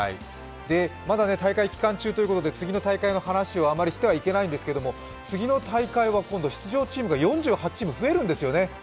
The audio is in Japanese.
まだ大会期間中ということで、次の大会の話をあまりしてはいけないんですけど、次の大会は今度出場チームが４８チーム増えるんですよね。